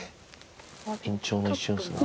緊張の一瞬ですね。